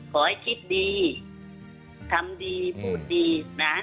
ขอให้คิดดีทำดีพูดดีนะ